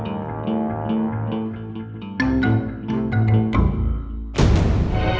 gak ada yang mau memecet